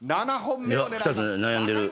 いや２つで悩んでる。